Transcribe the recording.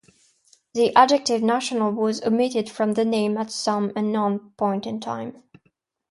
The adjective "National" was omitted from the name at some unknown point in time.